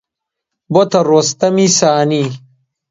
بۆتە ڕۆستەمی سانی